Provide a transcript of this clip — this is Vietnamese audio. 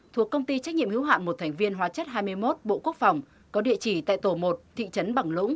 thuộc công ty trách nhiệm hữu hạn một thành viên hóa chất hai mươi một bộ quốc phòng có địa chỉ tại tổ một thị trấn bằng lũng